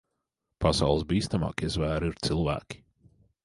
Pasaules bīstamākie zvēri ir cilvēki.